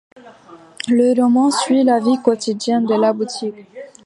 Le roman suit la vie quotidienne de la boutique.